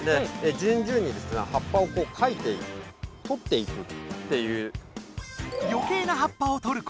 じゅんじゅんに葉っぱをかいてとっていくっていう。